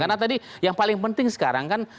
karena tadi yang paling penting sekarang kan